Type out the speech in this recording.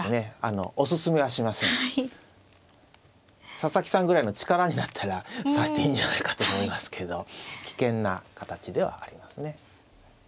佐々木さんぐらいの力になったら指していいんじゃないかと思いますけど危険な形ではありますね。